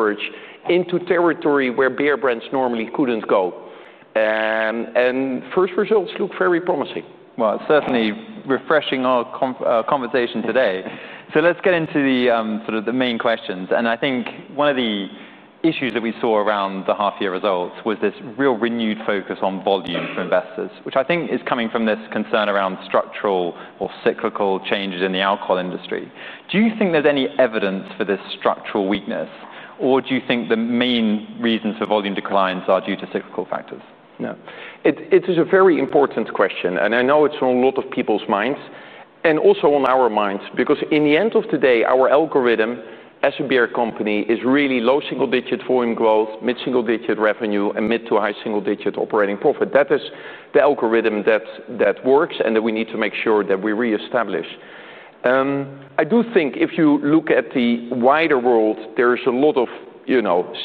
Fridge into territory where beer brands normally couldn't go. First results look very promising. It's certainly refreshing our conversation today. Let's get into the main questions. I think one of the issues that we saw around the half-year results was this real renewed focus on volume for investors, which I think is coming from this concern around structural or cyclical changes in the alcohol industry. Do you think there's any evidence for this structural weakness? Do you think the main reasons for volume declines are due to cyclical factors? It's a very important question. I know it's on a lot of people's minds and also on our minds because in the end of the day, our algorithm as a beer company is really low single-digit volume growth, mid-single-digit revenue, and mid to high single-digit operating profit. That is the algorithm that works and that we need to make sure that we reestablish. I do think if you look at the wider world, there is a lot of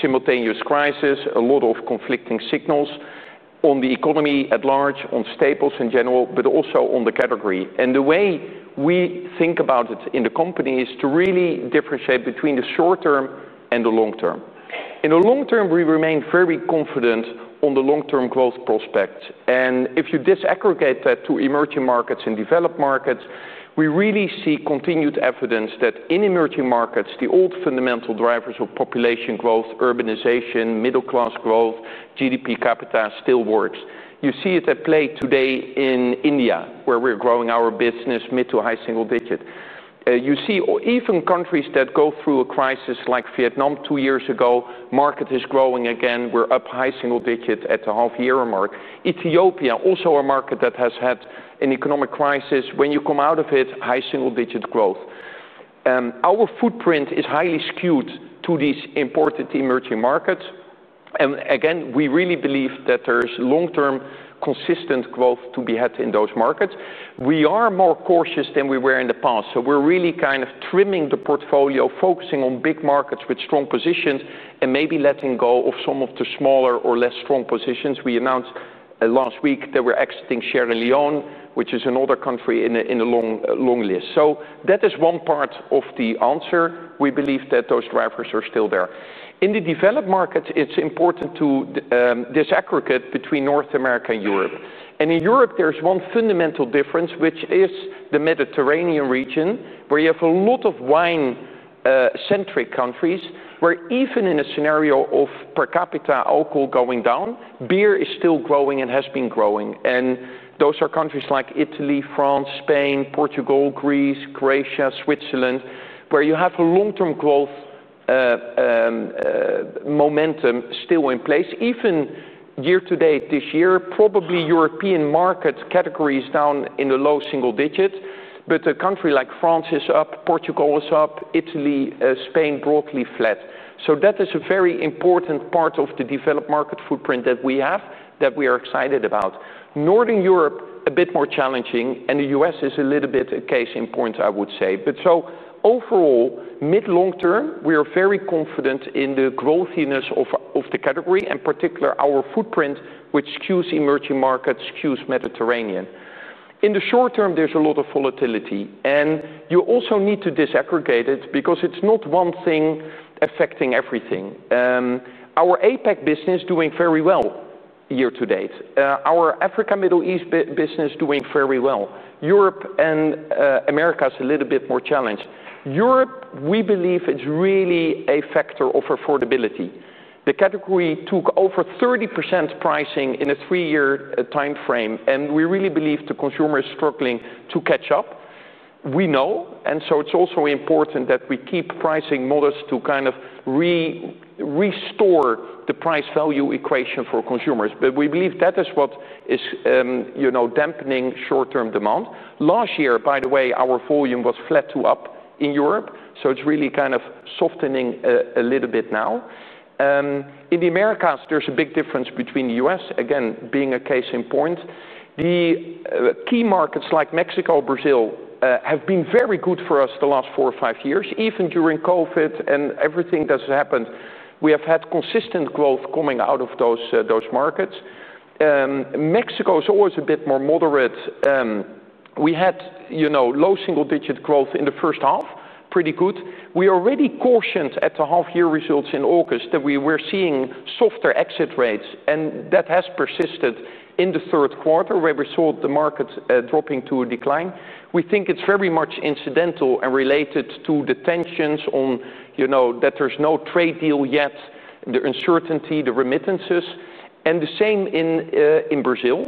simultaneous crises, a lot of conflicting signals on the economy at large, on staples in general, but also on the category. The way we think about it in the company is to really differentiate between the short term and the long term. In the long term, we remain very confident on the long-term growth prospects. If you disaggregate that to emerging markets and developed markets, we really see continued evidence that in emerging markets, the old fundamental drivers of population growth, urbanization, middle-class growth, GDP capita still works. You see it at play today in India, where we're growing our business mid to high single digit. You see even countries that go through a crisis like Vietnam two years ago, the market is growing again. We're up high single digit at the half-year mark. Ethiopia, also a market that has had an economic crisis, when you come out of it, high single-digit growth. Our footprint is highly skewed to these important emerging markets. We really believe that there is long-term consistent growth to be had in those markets. We are more cautious than we were in the past. We're really kind of trimming the portfolio, focusing on big markets with strong positions, and maybe letting go of some of the smaller or less strong positions. We announced last week that we're exiting Sierra Leone, which is another country in a long list. That is one part of the answer. We believe that those drivers are still there. In the developed markets, it's important to disaggregate between North America and Europe. In Europe, there's one fundamental difference, which is the Mediterranean region, where you have a lot of wine-centric countries, where even in a scenario of per capita alcohol going down, beer is still growing and has been growing. Those are countries like Italy, France, Spain, Portugal, Greece, Croatia, Switzerland, where you have a long-term growth momentum still in place. Even year to date this year, probably European market category is down in the low single digit. A country like France is up, Portugal is up, Italy, Spain broadly flat. That is a very important part of the developed market footprint that we have that we are excited about. Northern Europe, a bit more challenging. The U.S. is a little bit a case in point, I would say. Overall, mid-long term, we are very confident in the growthiness of the category, and particularly our footprint, which skews emerging markets, skews Mediterranean. In the short term, there's a lot of volatility. You also need to disaggregate it because it's not one thing affecting everything. Our APAC business is doing very well year to date. Our Africa-Middle East business is doing very well. Europe and Americas is a little bit more challenged. Europe, we believe it's really a factor of affordability. The category took over 30% pricing in a three-year time frame. We really believe the consumer is struggling to catch up. We know. It's also important that we keep pricing models to kind of restore the price-value equation for consumers. We believe that is what is, you know, dampening short-term demand. Last year, by the way, our volume was flat to up in Europe. It's really kind of softening a little bit now. In the Americas, there's a big difference between the U.S., again, being a case in point. The key markets like Mexico, Brazil have been very good for us the last four or five years, even during COVID and everything that's happened. We have had consistent growth coming out of those markets. Mexico is always a bit more moderate. We had, you know, low single-digit growth in the first half, pretty good. We are already cautious at the half-year results in August that we were seeing softer exit rates. That has persisted in the third quarter, where we saw the market dropping to a decline. We think it's very much incidental and related to the tensions on, you know, that there's no trade deal yet, the uncertainty, the remittances. The same in Brazil,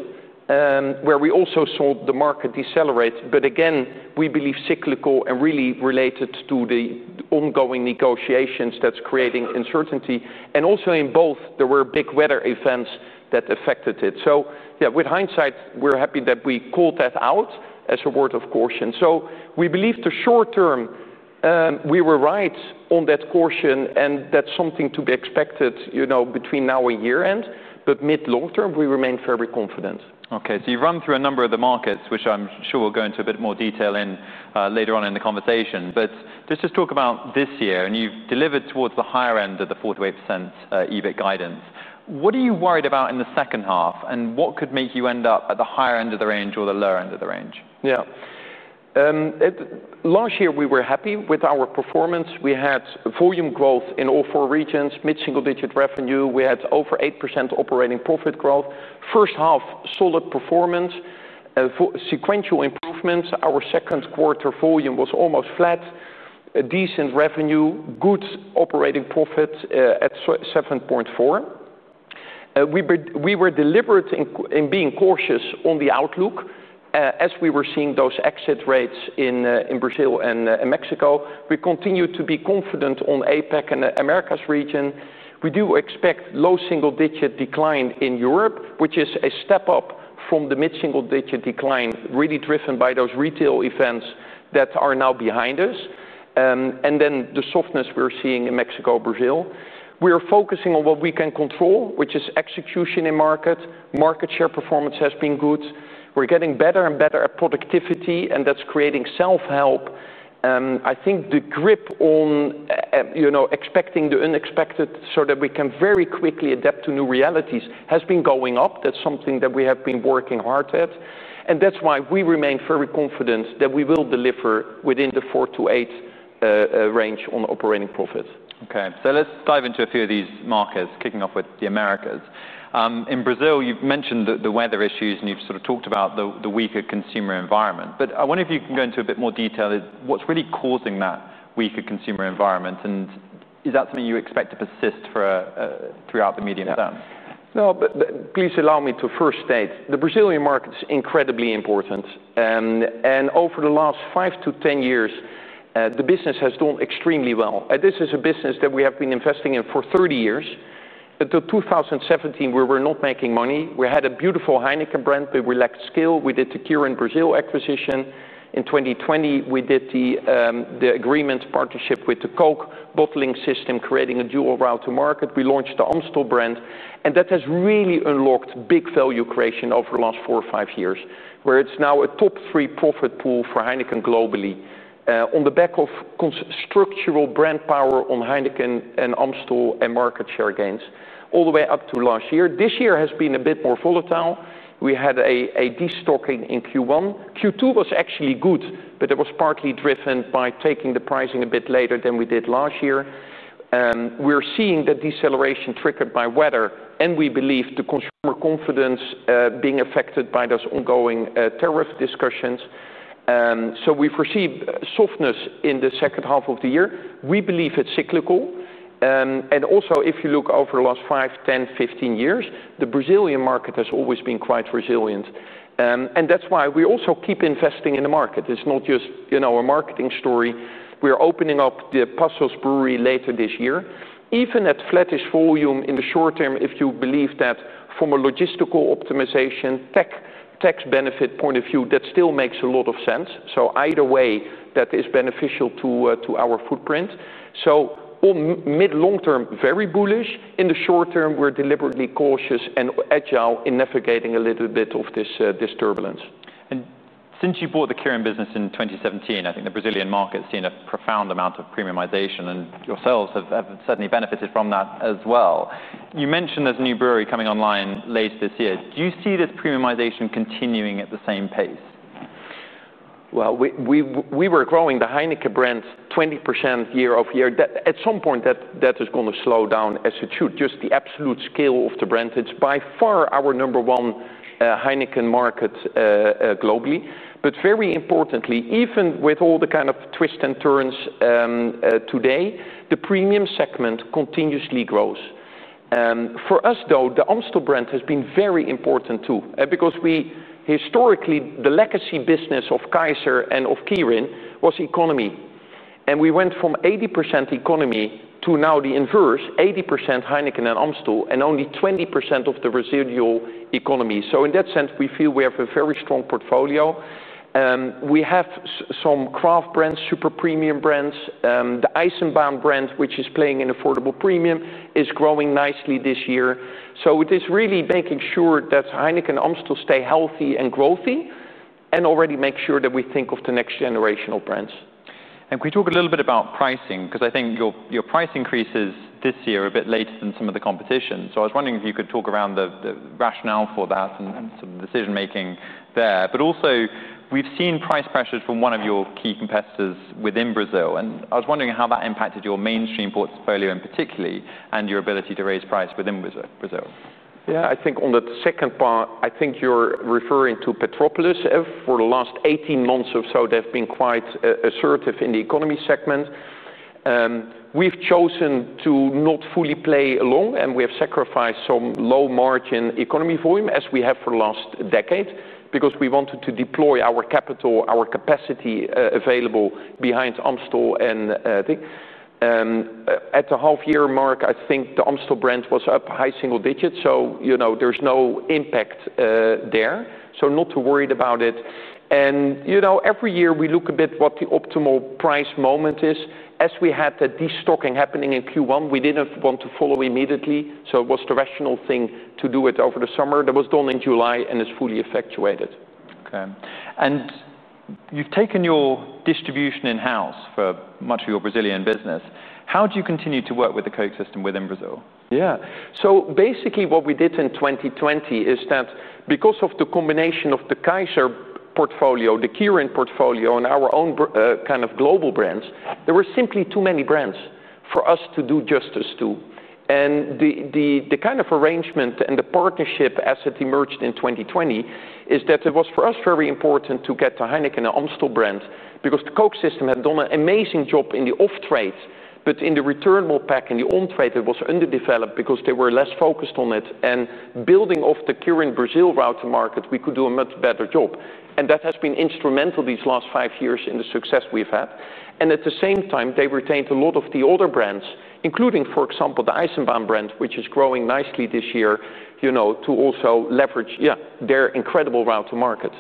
where we also saw the market decelerate. Again, we believe cyclical and really related to the ongoing negotiations that's creating uncertainty. Also in both, there were big weather events that affected it. With hindsight, we're happy that we called that out as a word of caution. We believe the short term, we were right on that caution. That's something to be expected between now and year-end. Mid-long term, we remain very confident. OK, you run through a number of the markets, which I'm sure we'll go into a bit more detail in later on in the conversation. Let's just talk about this year. You've delivered towards the higher end of the 48% EBIT guidance. What are you worried about in the second half? What could make you end up at the higher end of the range or the lower end of the range? Yeah. Last year, we were happy with our performance. We had volume growth in all four regions, mid-single-digit revenue. We had over 8% operating profit growth. First half, solid performance, sequential improvements. Our second quarter volume was almost flat, decent revenue, good operating profits at 7.4%. We were deliberate in being cautious on the outlook as we were seeing those exit rates in Brazil and Mexico. We continue to be confident on APAC and the Americas region. We do expect low single-digit decline in Europe, which is a step up from the mid-single-digit decline, really driven by those retail events that are now behind us. The softness we're seeing in Mexico, Brazil. We are focusing on what we can control, which is execution in markets. Market share performance has been good. We're getting better and better at productivity, and that's creating self-help. I think the grip on, you know, expecting the unexpected so that we can very quickly adapt to new realities has been going up. That's something that we have been working hard at. That's why we remain very confident that we will deliver within the 4% - 8% range on operating profits. OK, let's dive into a few of these markets, kicking off with the Americas. In Brazil, you've mentioned the weather issues. You've sort of talked about the weaker consumer environment. I wonder if you can go into a bit more detail. What's really causing that weaker consumer environment? Is that something you expect to persist throughout the medium term? No, but please allow me to first state, the Brazilian market is incredibly important. Over the last 5- 10 years, the business has done extremely well. This is a business that we have been investing in for 30 years. Until 2017, we were not making money. We had a beautiful Heineken brand, but we lacked skill. We did the Kirin Brazil acquisition. In 2020, we did the agreement partnership with the Coca-Cola bottling system, creating a dual route to market. We launched the Amstel brand, and that has really unlocked big value creation over the last four or five years, where it's now a top three profit pool for Heineken globally, on the back of structural brand power on Heineken and Amstel and market share gains, all the way up to last year. This year has been a bit more volatile. We had a destocking in Q1. Q2 was actually good, but it was partly driven by taking the pricing a bit later than we did last year. We're seeing the deceleration triggered by weather, and we believe the consumer confidence being affected by those ongoing tariff discussions. We foresee softness in the second half of the year. We believe it's cyclical. Also, if you look over the last 5, 10, 15 years, the Brazilian market has always been quite resilient. That's why we also keep investing in the market. It's not just, you know, a marketing story. We are opening up the Passos brewery later this year. Even at flattish volume in the short term, if you believe that from a logistical optimization, tax benefit point of view, that still makes a lot of sense. Either way, that is beneficial to our footprint. Mid-long term, very bullish. In the short term, we're deliberately cautious and agile in navigating a little bit of this turbulence. Since you bought the Kirin business in 2017, I think the Brazilian market has seen a profound amount of premiumization, and your sales have certainly benefited from that as well. You mentioned there's a new brewery coming online late this year. Do you see this premiumization continuing at the same pace? We were growing the Heineken brand 20% year after year. At some point, that is going to slow down as it should, just the absolute scale of the brand. It's by far our number one Heineken market globally. Very importantly, even with all the kind of twists and turns today, the premium segment continuously grows. For us, though, the Amstel brand has been very important too because historically, the legacy business of Kaiser and of Keurig was economy. We went from 80% economy to now the inverse, 80% Heineken and Amstel, and only 20% of the residual economy. In that sense, we feel we have a very strong portfolio. We have some craft brands, super premium brands. The Eisenbahn brand, which is playing in affordable premium, is growing nicely this year. It is really making sure that Heineken and Amstel stay healthy and growthy and already make sure that we think of the next generational brands. Can we talk a little bit about pricing? I think your price increases this year are a bit later than some of the competition. I was wondering if you could talk around the rationale for that and some decision making there. We've seen price pressures from one of your key competitors within Brazil. I was wondering how that impacted your mainstream portfolio in particular and your ability to raise price within Brazil. Yeah, I think on that second part, I think you're referring to Petropolis F for the last 18 months or so. They've been quite assertive in the economy segment. We've chosen to not fully play along, and we have sacrificed some low margin economy volume as we have for the last decade because we wanted to deploy our capital, our capacity available behind Amstel. At the half-year mark, I think the Amstel brand was up high single- digit, so you know there's no impact there. Not too worried about it. Every year, we look a bit at what the optimal price moment is. As we had that destocking happening in Q1, we didn't want to follow immediately. It was the rational thing to do it over the summer. That was done in July and is fully effectuated. Okay. You've taken your distribution in-house for much of your Brazilian business. How do you continue to work with the Coca-Cola bottling system within Brazil? Yeah, so basically what we did in 2020 is that because of the combination of the Kaiser portfolio, the Kirin portfolio, and our own kind of global brands, there were simply too many brands for us to do justice to. The kind of arrangement and the partnership as it emerged in 2020 is that it was for us very important to get the Heineken and Amstel brands because the Coca-Cola bottling system had done an amazing job in the off trades. In the returnable pack and the on trade, it was underdeveloped because they were less focused on it. Building off the Kirin Brazil route to market, we could do a much better job. That has been instrumental these last five years in the success we've had. At the same time, they retained a lot of the older brands, including, for example, the Eisenbahn brand, which is growing nicely this year to also leverage their incredible route to market.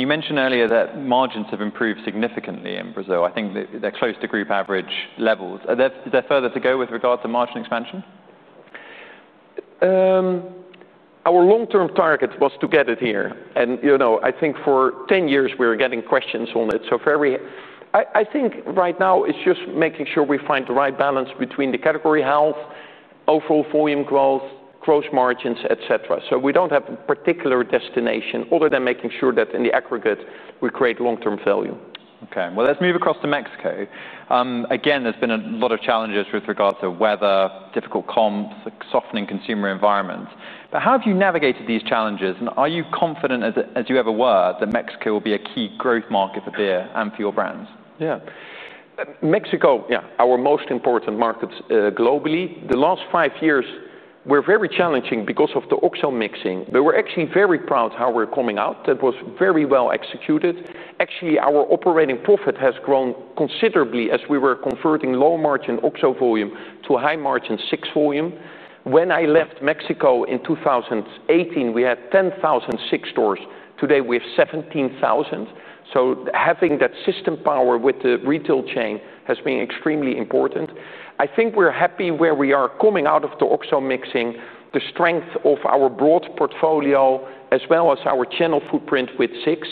You mentioned earlier that margins have improved significantly in Brazil. I think they're close to group average levels. Are there further to go with regard to margin expansion? Our long-term target was to get it here. I think for 10 years, we were getting questions on it. Right now, it's just making sure we find the right balance between the category health, overall volume growth, gross margins, et cetera. We don't have a particular destination other than making sure that in the aggregate, we create long-term value. Okay, let's move across to Mexico. There's been a lot of challenges with regard to weather, difficult comps, softening consumer environments. How have you navigated these challenges? Are you confident, as you ever were, that Mexico will be a key growth market for beer and for your brands? Yeah, Mexico, yeah, our most important market globally. The last five years were very challenging because of the OXXO mixing. We're actually very proud of how we're coming out. That was very well executed. Actually, our operating profit has grown considerably as we were converting low margin OXXO volume to a high margin SIG volume. When I left Mexico in 2018, we had 10,000 SIG stores. Today, we have 17,000. Having that system power with the retail chain has been extremely important. I think we're happy where we are coming out of the OXXO mixing, the strength of our broad portfolio, as well as our channel footprint with SIGs.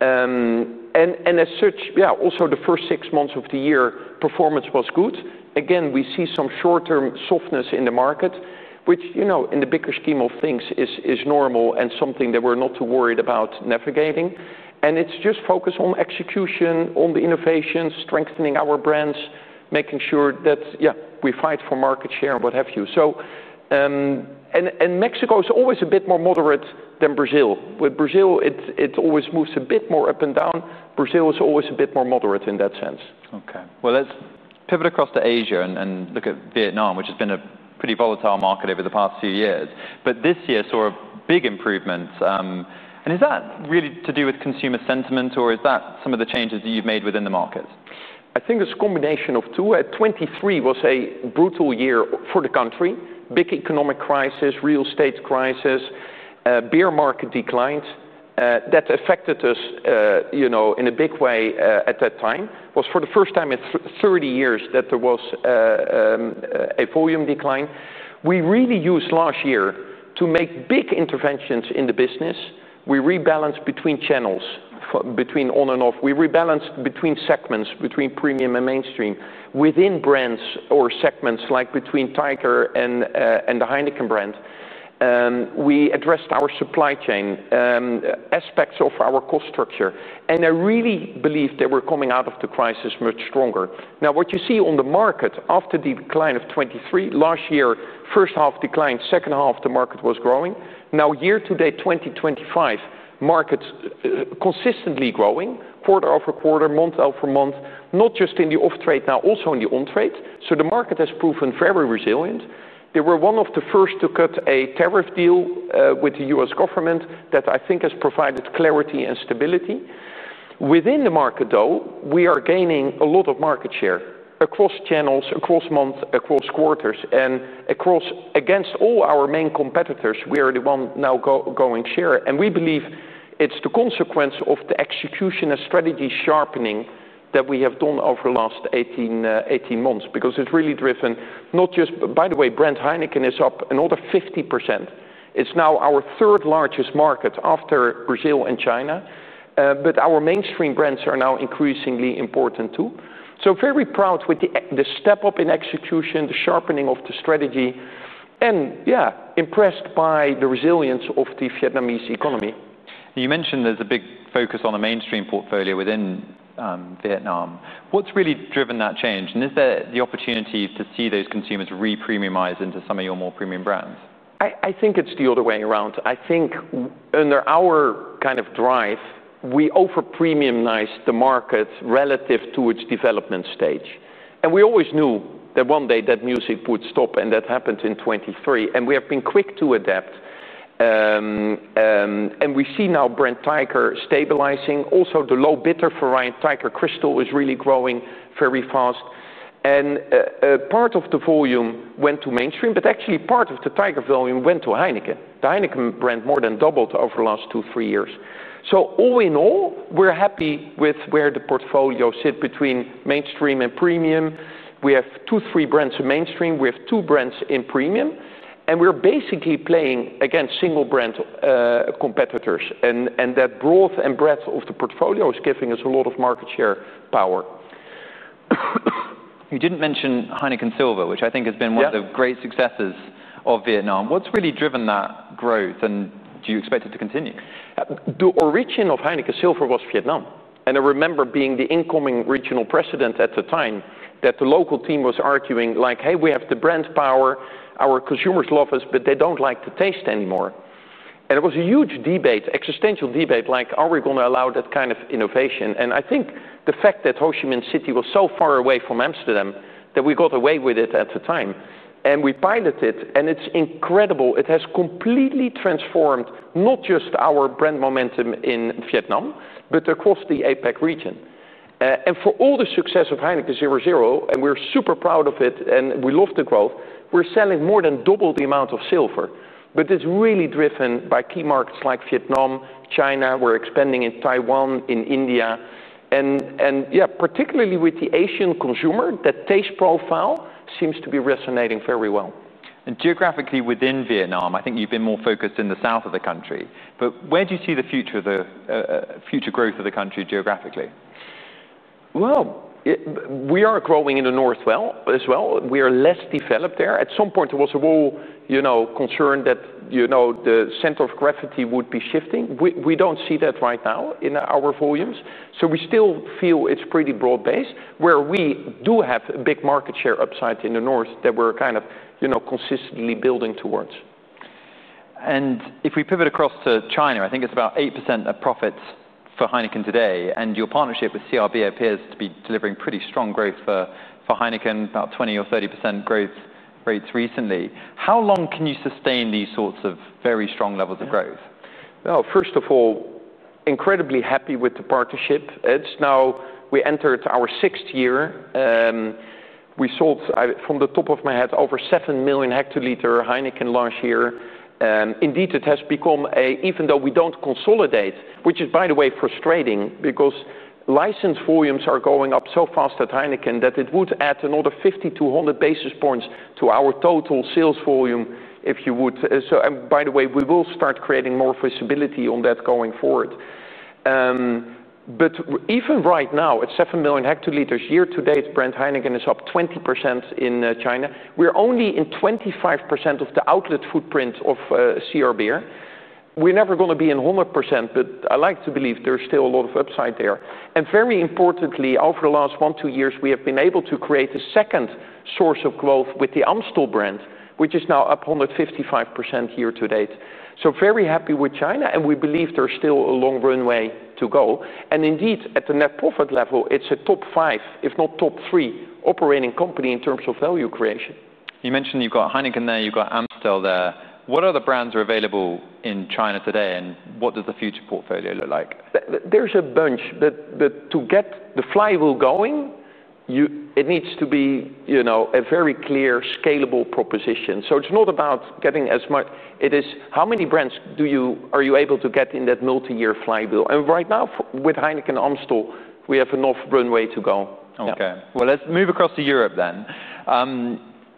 As such, yeah, also the first six months of the year, performance was good. Again, we see some short-term softness in the market, which in the bigger scheme of things is normal and something that we're not too worried about navigating. It's just focus on execution, on the innovation, strengthening our brands, making sure that, yeah, we fight for market share and what have you. Mexico is always a bit more moderate than Brazil. With Brazil, it always moves a bit more up and down. Brazil is always a bit more moderate in that sense. Okay, let's pivot across to Asia and look at Vietnam, which has been a pretty volatile market over the past few years. This year saw a big improvement. Is that really to do with consumer sentiment, or is that some of the changes that you've made within the markets? I think it's a combination of two. 2023 was a brutal year for the country, big economic crisis, real estate crisis, beer market declines. That affected us in a big way at that time. It was for the first time in 30 years that there was a volume decline. We really used last year to make big interventions in the business. We rebalanced between channels, between on and off. We rebalanced between segments, between premium and mainstream, within brands or segments like between Tiger and the Heineken brand. We addressed our supply chain aspects of our cost structure. I really believe that we're coming out of the crisis much stronger. What you see on the market after the decline of 2023, last year, first half declined, second half, the market was growing. Now, year to date, 2025, markets are consistently growing quarter after quarter, month after month, not just in the off trade now, also in the on trade. The market has proven very resilient. They were one of the first to cut a tariff deal with the U.S. government that I think has provided clarity and stability. Within the market, though, we are gaining a lot of market share across channels, across months, across quarters, and across against all our main competitors. We are the one now going share. We believe it's the consequence of the execution and strategy sharpening that we have done over the last 18 months because it's really driven not just by the way, brand Heineken is up another 50%. It's now our third largest market after Brazil and China. Our mainstream brands are now increasingly important too. Very proud with the step up in execution, the sharpening of the strategy, and yeah, impressed by the resilience of the Vietnamese economy. You mentioned there's a big focus on a mainstream portfolio within Vietnam. What's really driven that change? Is there the opportunity to see those consumers repremiumize into some of your more premium brands? I think it's the other way around. I think under our kind of drive, we overpremiumized the markets relative to its development stage. We always knew that one day that music would stop. That happened in 2023. We have been quick to adapt, and we see now brand Tiger stabilizing. Also, the low bitter variety, Tiger Crystal, was really growing very fast. Part of the volume went to mainstream. Actually, part of the Tiger volume went to Heineken. The Heineken brand more than doubled over the last two or three years. All in all, we're happy with where the portfolio sits between mainstream and premium. We have two, three brands in mainstream. We have two brands in premium, and we're basically playing against single brand competitors. That broad and breadth of the portfolio is giving us a lot of market share power. You didn't mention Heineken Silver, which I think has been one of the great successes of Vietnam. What's really driven that growth? Do you expect it to continue? The origin of Heineken Silver was Vietnam. I remember being the incoming Regional President at the time that the local team was arguing like, hey, we have the brand power. Our consumers love us, but they don't like the taste anymore. It was a huge debate, existential debate, like are we going to allow that kind of innovation? I think the fact that Ho Chi Minh City was so far away from Amsterdam that we got away with it at the time. We piloted it. It's incredible. It has completely transformed not just our brand momentum in Vietnam, but across the APAC region. For all the success of Heineken 00, and we're super proud of it, and we love the growth, we're selling more than double the amount of Silver. It's really driven by key markets like Vietnam, China. We're expanding in Taiwan, in India. Particularly with the Asian consumer, that taste profile seems to be resonating very well. Geographically within Vietnam, I think you've been more focused in the south of the country. Where do you see the future growth of the country geographically? We are growing in the north as well. We are less developed there. At some point, there was a concern that the center of gravity would be shifting. We don't see that right now in our volumes. We still feel it's pretty broad-based, where we do have a big market share upside in the north that we're kind of consistently building towards. If we pivot across to China, I think it's about 8% of profits for Heineken today. Your partnership with CR Beer appears to be delivering pretty strong growth for Heineken, about 20% or 30% growth rates recently. How long can you sustain these sorts of very strong levels of growth? First of all, incredibly happy with the partnership. It's now we entered our sixth year. We sold, from the top of my head, over 7 million hl Heineken last year. Indeed, it has become a, even though we don't consolidate, which is, by the way, frustrating because license volumes are going up so fast at Heineken that it would add another 5,200 basis points to our total sales volume if you would. By the way, we will start creating more visibility on that going forward. Even right now, at 7 million hl, year to date, brand Heineken is up 20% in China. We're only in 25% of the outlet footprint of CR Beer. We're never going to be in 100%. I like to believe there's still a lot of upside there. Very importantly, over the last one or two years, we have been able to create a second source of growth with the Amstel brand, which is now up 155% year to date. Very happy with China. We believe there's still a long runway to go. Indeed, at the net profit level, it's a top five, if not top three, operating company in terms of value creation. You mentioned you've got Heineken there. You've got Amstel there. What other brands are available in China today? What does the future portfolio look like? There are a bunch. To get the flywheel going, it needs to be a very clear, scalable proposition. It is not about getting as much. It is how many brands are you able to get in that multi-year flywheel. Right now, with Heineken and Amstel, we have enough runway to go. OK, let's move across to Europe.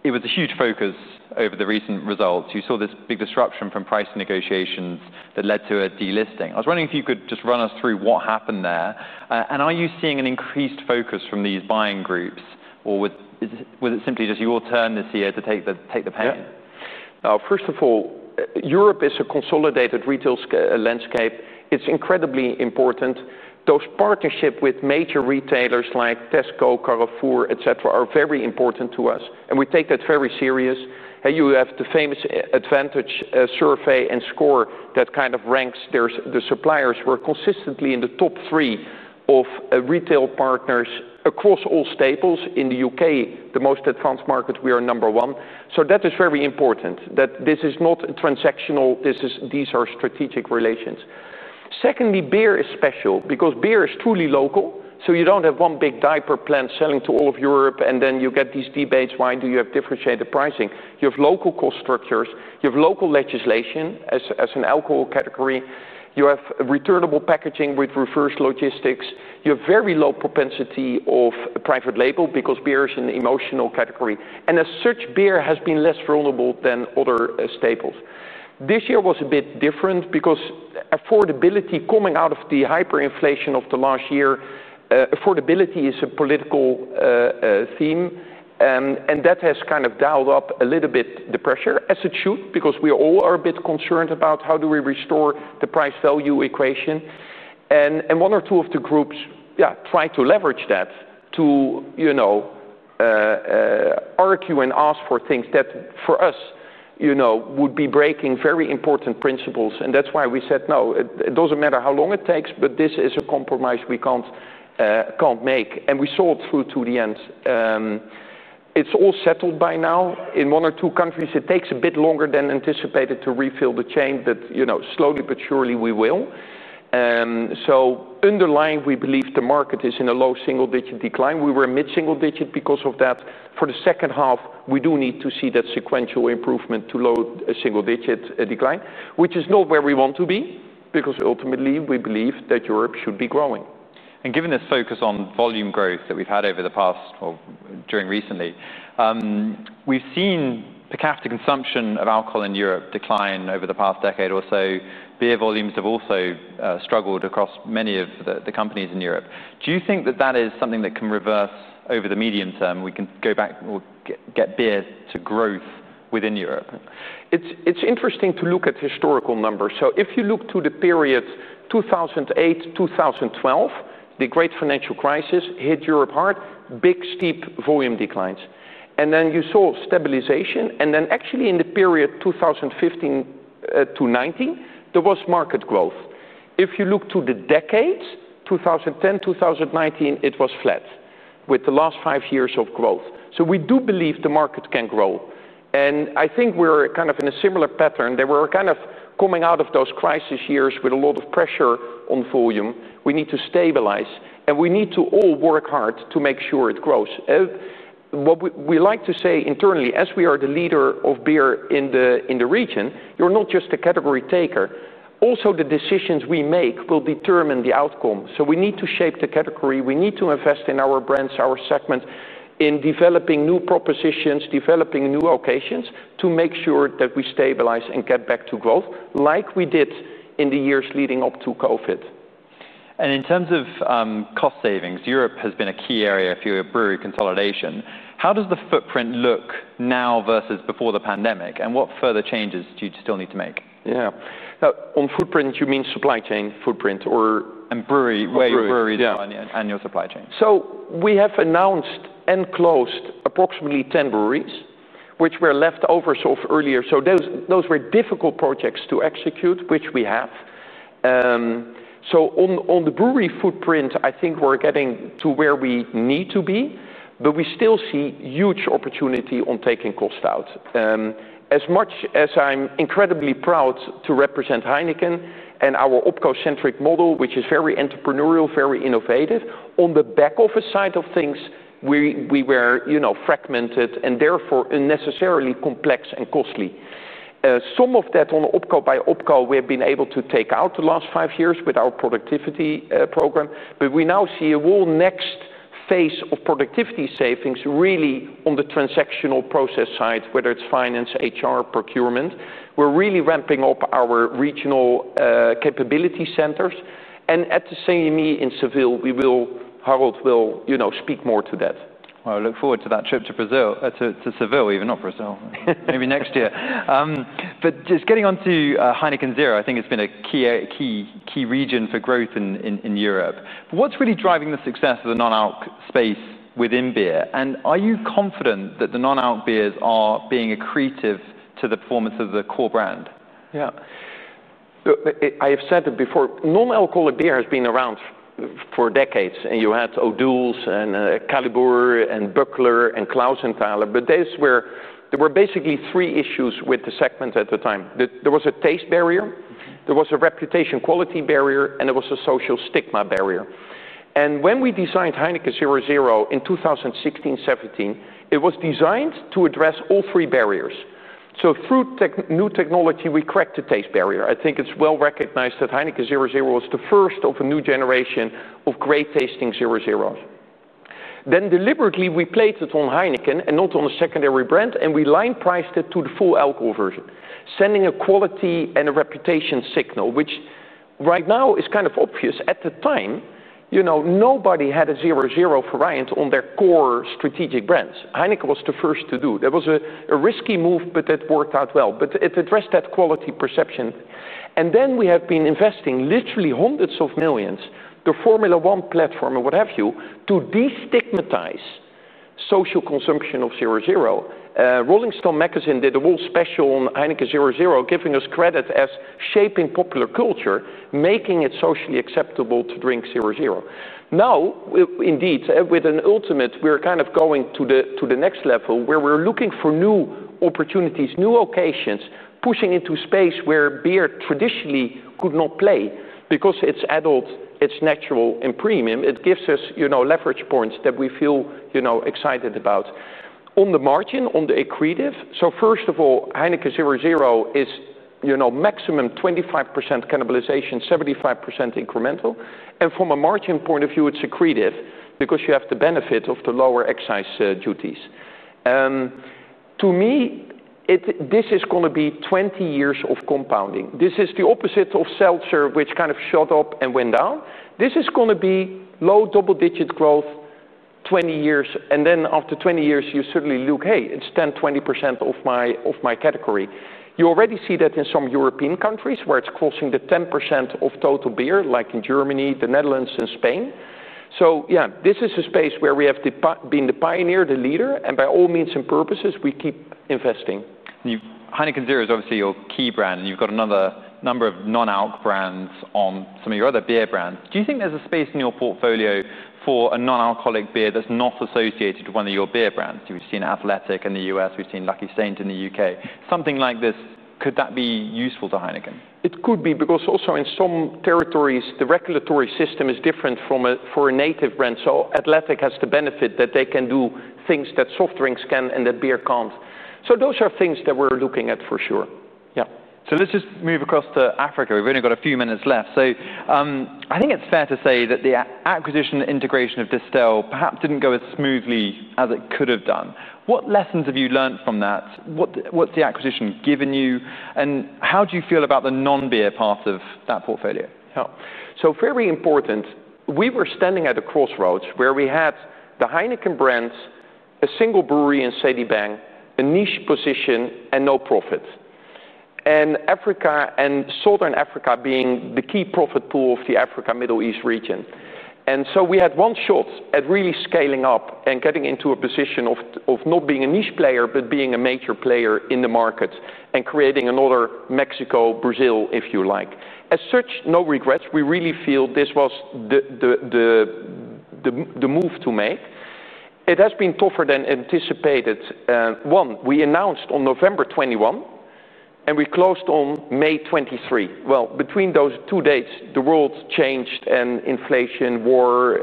It was a huge focus over the recent results. You saw this big disruption from price negotiations that led to a delisting. I was wondering if you could just run us through what happened there. Are you seeing an increased focus from these buying groups, or was it simply just your turn this year to take the penny? Yeah, first of all, Europe is a consolidated retail landscape. It's incredibly important. Those partnerships with major retailers like Tesco, Carrefour, et cetera, are very important to us. We take that very seriously. You have the famous Advantage survey and score that kind of ranks the suppliers. We're consistently in the top three of retail partners across all staples. In the U.K., the most advanced market, we are number one. That is very important, that this is not transactional. These are strategic relations. Secondly, beer is special because beer is truly local. You don't have one big diaper plant selling to all of Europe. Then you get these debates, why do you have differentiated pricing? You have local cost structures. You have local legislation as an alcohol category. You have returnable packaging with reverse logistics. You have very low propensity of private label because beer is an emotional category. As such, beer has been less vulnerable than other staples. This year was a bit different because affordability coming out of the hyperinflation of the last year, affordability is a political theme. That has kind of dialed up a little bit the pressure as it should because we all are a bit concerned about how do we restore the price-value equation. One or two of the groups tried to leverage that to argue and ask for things that for us would be breaking very important principles. That's why we said no. It doesn't matter how long it takes. This is a compromise we can't make. We saw it through to the end. It's all settled by now. In one or two countries, it takes a bit longer than anticipated to refill the chain, but slowly but surely, we will. Underlying, we believe the market is in a low single-digit decline. We were mid-single digit because of that. For the second half, we do need to see that sequential improvement to low single-digit decline, which is not where we want to be because ultimately, we believe that Europe should be growing. Given this focus on volume growth that we've had recently, we've seen the capital consumption of alcohol in Europe decline over the past decade or so. Beer volumes have also struggled across many of the companies in Europe. Do you think that is something that can reverse over the medium term? Can we go back or get beer to growth within Europe? It's interesting to look at historical numbers. If you look to the period 2008- 2012, the great financial crisis hit Europe hard, big, steep volume declines. You saw stabilization, and actually, in the period 2015 - 2019, there was market growth. If you look to the decades, 2010 - 2019, it was flat with the last five years of growth. We do believe the markets can grow. I think we're kind of in a similar pattern that we're coming out of those crisis years with a lot of pressure on volume. We need to stabilize, and we need to all work hard to make sure it grows. What we like to say internally, as we are the leader of beer in the region, you're not just a category taker. Also, the decisions we make will determine the outcome. We need to shape the category. We need to invest in our brands, our segments, in developing new propositions, developing new locations to make sure that we stabilize and get back to growth like we did in the years leading up to COVID. In terms of cost savings, Europe has been a key area through a brewery consolidation. How does the footprint look now versus before the pandemic? What further changes do you still need to make? Yeah, on footprint, you mean supply chain footprint or brewery? Brewery design and your supply chain. We have announced and closed approximately 10 breweries, which were left over earlier. Those were difficult projects to execute, which we have. On the brewery footprint, I think we're getting to where we need to be. We still see huge opportunity on taking cost out. As much as I'm incredibly proud to represent Heineken and our OPCO-centric model, which is very entrepreneurial, very innovative, on the back office side of things, we were fragmented and therefore unnecessarily complex and costly. Some of that on OPCO by OPCO, we have been able to take out the last five years with our productivity program. We now see a whole next phase of productivity savings really on the transactional process side, whether it's finance, HR, procurement. We're really ramping up our regional capability centers. At the same meeting in Seville, Harold will speak more to that. I look forward to that trip to Brazil, to Seville, maybe not Brazil, maybe next year. Just getting onto Heineken 00, I think it's been a key region for growth in Europe. What's really driving the success of the non-alc space within beer? Are you confident that the non-alc beers are being accretive to the performance of the core brand? Yeah, I have said it before. Non-alcoholic beer has been around for decades. You had O'Doul's and Kaliber and Buckler and Clausthaler. There were basically three issues with the segment at the time. There was a taste barrier, a reputation quality barrier, and a social stigma barrier. When we designed Heineken 00 in 2016-2017, it was designed to address all three barriers. Through new technology, we cracked the taste barrier. I think it's well recognized that Heineken 00 was the first of a new generation of great tasting 00s. We deliberately played it on Heineken and not on a secondary brand, and we line priced it to the full alcohol version, sending a quality and a reputation signal, which right now is kind of obvious. At the time, nobody had a 00 variant on their core strategic brands. Heineken was the first to do it. That was a risky move, but that worked out well. It addressed that quality perception. We have been investing literally hundreds of millions to Formula One platform and what have you to destigmatize social consumption of 00. Rolling Stone magazine did a whole special on Heineken 00, giving us credit as shaping popular culture, making it socially acceptable to drink 00. Now, indeed, with an ultimate, we're kind of going to the next level where we're looking for new opportunities, new occasions, pushing into space where beer traditionally could not play because it's adult, it's natural, and premium. It gives us leverage points that we feel excited about. On the margin, on the accretive, first of all, Heineken 00 is maximum 25% cannibalization, 75% incremental. From a margin point of view, it's accretive because you have the benefit of the lower excise duties. To me, this is going to be 20 years of compounding. This is the opposite of Seltzer, which kind of shot up and went down. This is going to be low double-digit growth, 20 years. After 20 years, you suddenly look, hey, it's 10%, 20% of my category. You already see that in some European countries where it's crossing the 10% of total beer, like in Germany, the Netherlands, and Spain. This is a space where we have been the pioneer, the leader. By all means and purposes, we keep investing. Heineken 00 is obviously your key brand. You've got another number of non-alc brands on some of your other beer brands. Do you think there's a space in your portfolio for a non-alcoholic beer that's not associated to one of your beer brands? We've seen Athletic in the U.S. We've seen Lucky Saint in the U.K. Something like this, could that be useful to Heineken? It could be because also in some territories, the regulatory system is different for a native brand. Athletic has the benefit that they can do things that soft drinks can and that beer can't. Those are things that we're looking at for sure. Yeah. Let's just move across to Africa. We've only got a few minutes left. I think it's fair to say that the acquisition and integration of Distell perhaps didn't go as smoothly as it could have done. What lessons have you learned from that? What's the acquisition given you? How do you feel about the non-beer part of that portfolio? Yeah, so very important. We were standing at a crossroads where we had the Heineken brands, a single brewery in Sedibeng, a niche position, and no profits. Africa and Southern Africa being the key profit pool of the Africa-Middle East region, we had one shot at really scaling up and getting into a position of not being a niche player, but being a major player in the market and creating another Mexico, Brazil, if you like. As such, no regrets. We really feel this was the move to make. It has been tougher than anticipated. We announced on November 2021, and we closed on May 2023. Between those two dates, the world changed: inflation, war,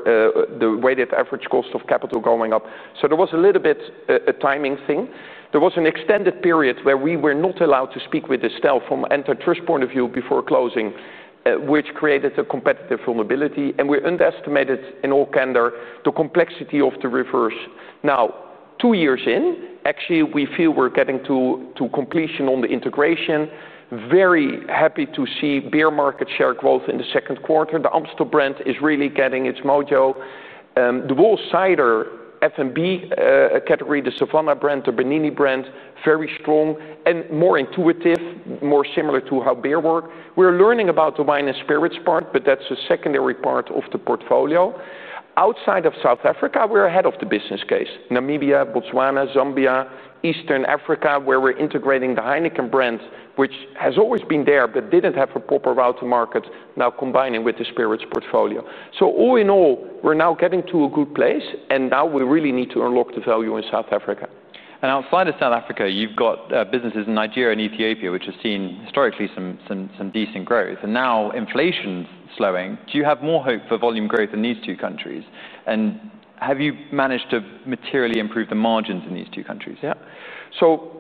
the weighted average cost of capital going up. There was a little bit of a timing thing. There was an extended period where we were not allowed to speak with Distell from an antitrust point of view before closing, which created a competitive vulnerability. We underestimated in all candor the complexity of the reverse. Now, two years in, actually, we feel we're getting to completion on the integration. Very happy to see beer market share growth in the second quarter. The Amstel brand is really getting its mojo. The Wool Cider F&B category, the Savanna brand, the Bernini brand, very strong and more intuitive, more similar to how beer works. We're learning about the wine and spirits part, but that's a secondary part of the portfolio. Outside of South Africa, we're ahead of the business case: Namibia, Botswana, Zambia, Eastern Africa, where we're integrating the Heineken brand, which has always been there but didn't have a proper route to market, now combining with the spirits portfolio. All in all, we're now getting to a good place, and now we really need to unlock the value in South Africa. Outside of South Africa, you've got businesses in Nigeria and Ethiopia, which have seen historically some decent growth. Now inflation's slowing. Do you have more hope for volume growth in these two countries? Have you managed to materially improve the margins in these two countries? Yeah, so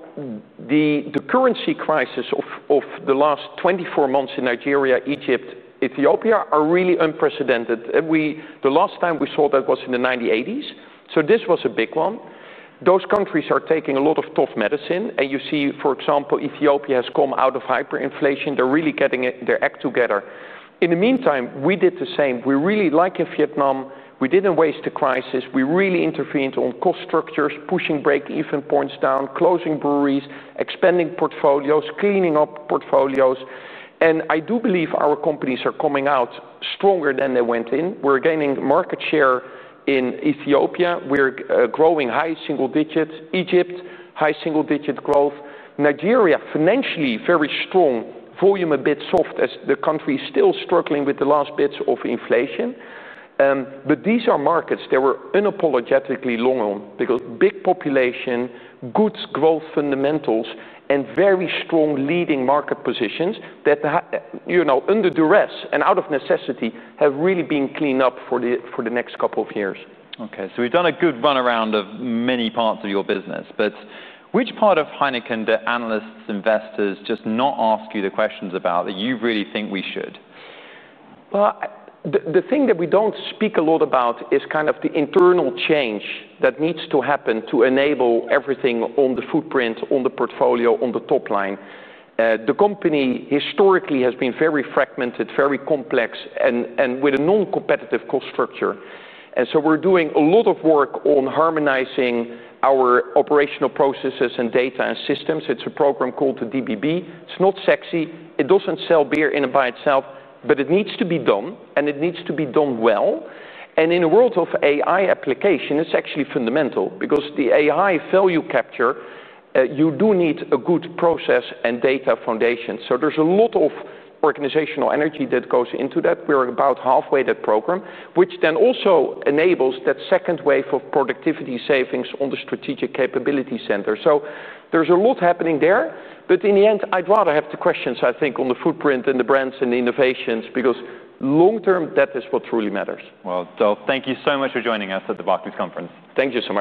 the currency crisis of the last 24 months in Nigeria, Egypt, Ethiopia are really unprecedented. The last time we saw that was in the 1980s. This was a big one. Those countries are taking a lot of tough medicine. You see, for example, Ethiopia has come out of hyperinflation. They're really getting their act together. In the meantime, we did the same. We really like Vietnam. We didn't waste the crisis. We really intervened on cost structures, pushing break-even points down, closing breweries, expanding portfolios, cleaning up portfolios. I do believe our companies are coming out stronger than they went in. We're gaining market share in Ethiopia. We're growing high single digits. Egypt, high single digit growth. Nigeria, financially very strong, volume a bit soft as the country is still struggling with the last bits of inflation. These are markets that we're unapologetically long on because big population, good growth fundamentals, and very strong leading market positions that under duress and out of necessity have really been cleaned up for the next couple of years. OK, we've done a good runaround of many parts of your business. Which part of Heineken do analysts, investors just not ask you the questions about that you really think we should? The thing that we don't speak a lot about is kind of the internal change that needs to happen to enable everything on the footprint, on the portfolio, on the top line. The company historically has been very fragmented, very complex, and with a non-competitive cost structure. We are doing a lot of work on harmonizing our operational processes and data and systems. It's a program called the DBB. It's not sexy. It doesn't sell beer in and by itself. It needs to be done, and it needs to be done well. In a world of AI application, it's actually fundamental because the AI value capture, you do need a good process and data foundation. There is a lot of organizational energy that goes into that. We're about halfway through that program, which then also enables that second wave of productivity savings on the strategic capability center. There is a lot happening there. In the end, I'd rather have the questions, I think, on the footprint and the brands and the innovations because long term, that is what truly matters. Thank you so much for joining us at the Barclays Conference. Thank you, so much.